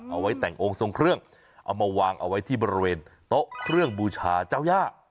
เอาไว้แต่งองค์ทรงเครื่องเอามาวางเอาไว้ที่บริเวณโต๊ะเครื่องบูชาเจ้าย่า